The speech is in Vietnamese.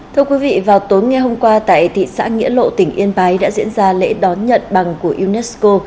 thưa quý vị vào tối ngày hôm qua tại thị xã nghĩa lộ tỉnh yên bái đã diễn ra lễ đón nhận bằng của unesco